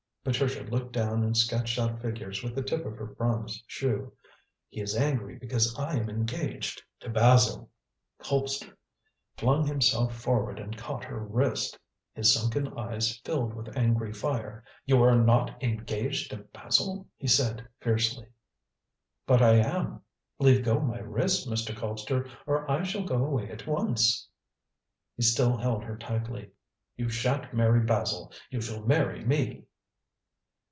Patricia looked down and sketched out figures with the tip of her bronze shoe. "He is angry because I am engaged to Basil." Colpster flung himself forward and caught her wrist. His sunken eyes filled with angry fire. "You are not engaged to Basil?" he said fiercely. "But I am. Leave go my wrist, Mr. Colpster, or I shall go away at once." He still held her tightly. "You shan't marry Basil. You shall marry me."